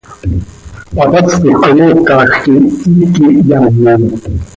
Hapaspoj hanoocaj quih iiqui hyaanim.